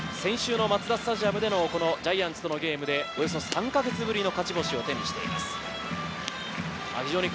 先週のマツダスタジアムでのジャイアンツとのゲームでおよそ３か月ぶりの勝